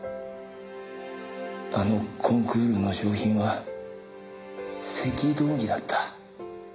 あのコンクールの賞品は赤道儀だった。